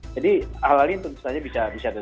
jadi hal hal ini tentu saja bisa bisa